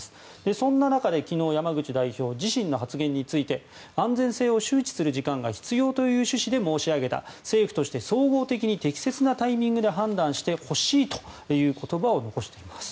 そんな中で昨日山口代表は自身の発言について安全性を周知する時間が必要という趣旨で申し上げた政府として総合的に適切なタイミングで判断してほしいという言葉を残しています。